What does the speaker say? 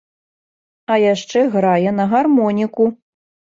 А яшчэ грае на гармоніку.